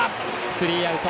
スリーアウト。